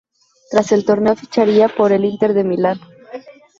Tras el torneo, ficharía por el Inter de Milán.